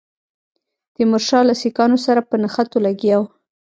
تیمورشاه له سیکهانو سره په نښتو لګیا وو.